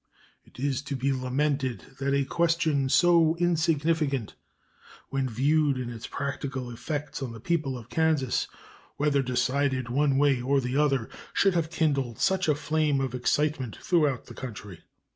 It is to be lamented that a question so insignificant when viewed in its practical effects on the people of Kansas, whether decided one way or the other, should have kindled such a flame of excitement throughout the country.